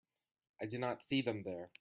I did not see them there.